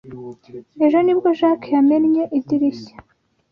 Ejo nibwo Jack yamennye idirishya.